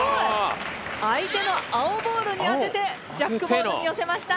相手の青ボールにあててジャックボールによせました。